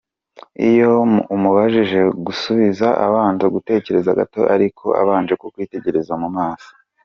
Iyo umubajije, kugusubiza abanza gutekereza gato ariko abanje kukwitegereza mu maso.